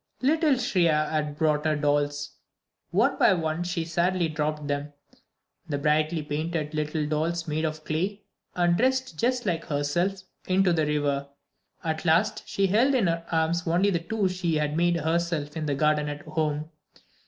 Little Shriya had brought her dolls. One by one she sadly dropped them, the brightly painted little dolls, made of clay and dressed just like herself, into the river. At last she held in her arms only the two she had made herself in the garden at home.